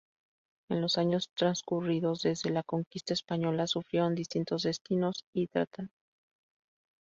En los años transcurridos desde la conquista española, sufrieron distintos destinos y tratamientos.